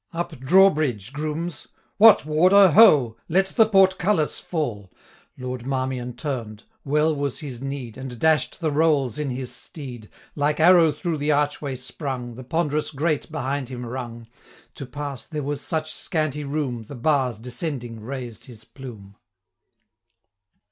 435 Up drawbridge, grooms what, Warder, ho! Let the portcullis fall.' Lord Marmion turn'd, well was his need, And dash'd the rowels in his steed, Like arrow through the archway sprung, 440 The ponderous grate behind him rung: To pass there was such scanty room, The bars, descending, razed his plume.